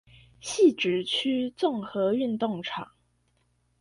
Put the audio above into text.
汐止區綜合運動場